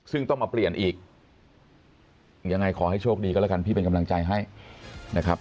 ซึ่งต้องมาเปลี่ยนอีกยังไงขอให้โชคดีก็แล้วกันพี่เป็นกำลังใจให้นะครับ